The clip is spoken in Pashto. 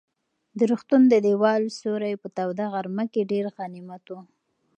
د روغتون د دېوال سیوری په توده غرمه کې ډېر غنیمت و.